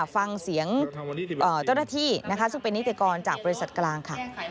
ฟังเสียงเจ้าหน้าที่ซุกเป็นนิตยากรจากบริษัทกลาง